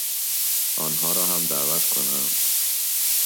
آنها را هم دعوت کنم؟